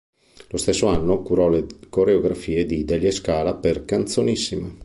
Lo stesso anno curò le coreografie di Delia Scala per "Canzonissima".